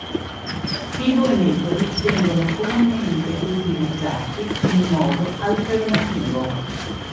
I due metodi vengono comunemente utilizzati in modo alternativo.